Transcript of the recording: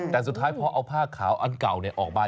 แต่สุดท้ายพอเอาผ้าขาวอันเก่าออกมา